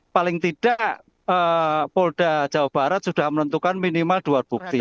paling tidak polda jawa barat sudah menentukan minimal dua bukti